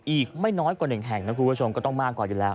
อีกไม่น้อยกว่า๑แห่งนะคุณผู้ชมก็ต้องมากกว่าอยู่แล้ว